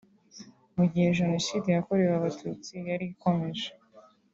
mu gihe Jenoside yakorewe Abatutsi yari ikomeje